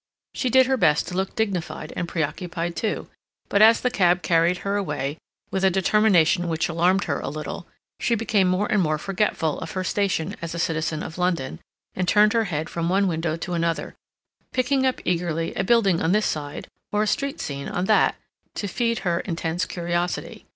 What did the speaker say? She did her best to look dignified and preoccupied too, but as the cab carried her away, with a determination which alarmed her a little, she became more and more forgetful of her station as a citizen of London, and turned her head from one window to another, picking up eagerly a building on this side or a street scene on that to feed her intense curiosity.